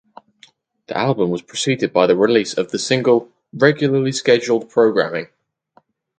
The album was preceded by the release of the single "Regularly Scheduled Programming".